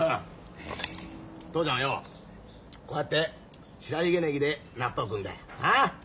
父ちゃんはよこうやって白ひげネギで納豆食うんだよ。なあ？